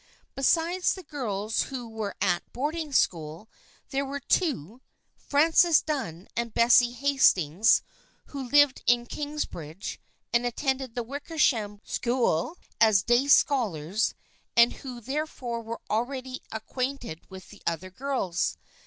Besides the girls who were at boarding school, there were two, Frances Dunn and Bessie Hastings, who lived in Kings bridge and attended the Wickersham School as day scholars, and who therefore were already ac quainted with the other girls.